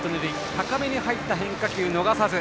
高めに入った変化球を逃さず。